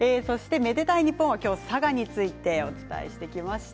「愛でたいｎｉｐｐｏｎ」は今日は佐賀についてお伝えしてきました。